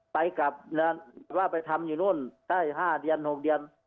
ไปกลับว่าไปทำอยู่นู่นได้๕เดือน๖เดือน